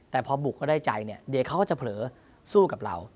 แต่พอบุกเขาได้ใจเนี่ยเดี๋ยวเขาก็จะเผลอสู้กับเรา